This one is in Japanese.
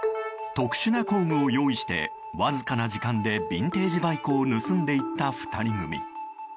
特殊な工具を用意してわずかな時間でビンテージバイクを盗んでいった２人組。